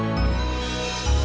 selamat malem mas